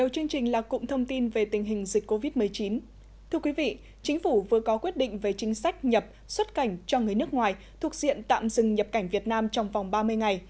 thưa quý vị chính phủ vừa có quyết định về chính sách nhập xuất cảnh cho người nước ngoài thuộc diện tạm dừng nhập cảnh việt nam trong vòng ba mươi ngày